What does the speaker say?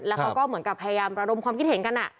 แล้วเขาก็เหมือนกับพยายามระดมความคิดเห็นกัน